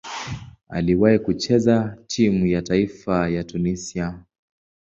Aliwahi kucheza timu ya taifa ya Tunisia.